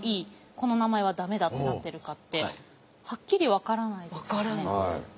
この名前は駄目だってなってるかってはっきり分からないですよね。